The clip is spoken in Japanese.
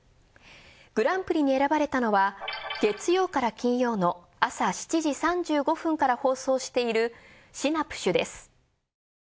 グランプリに選ばれたのは月曜から金曜の朝７時３５分から放送している『シナぷしゅ』です。